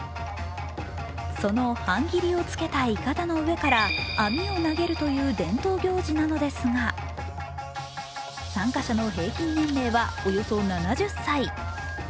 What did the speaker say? そのはんぎりをつけたいかだの上から網を投げるという伝統行事なのですが参加者の平均年齢はおよそ７０歳。